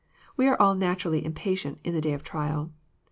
We are all naturally impatient in the day of trial.